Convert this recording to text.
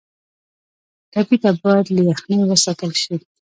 ټپي ته باید له یخنۍ وساتل شي.